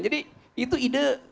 jadi itu ide